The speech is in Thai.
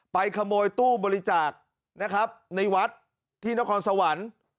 ขโมยตู้บริจาคนะครับในวัดที่นครสวรรค์